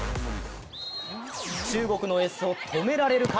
中国のエースを止められるか？